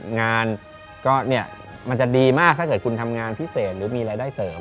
งานก็เนี่ยมันจะดีมากถ้าเกิดคุณทำงานพิเศษหรือมีรายได้เสริม